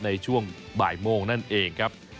ในช่วงบ่ายโมงนั่นเองครับ